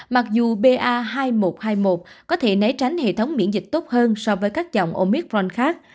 mặc dù ba hai một hai một có thể nấy tránh hệ thống miễn dịch tốt hơn so với các dòng omicron khác